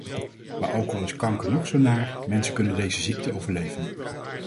Maar ook al is kanker nog zo naar, mensen kunnen deze ziekte overleven.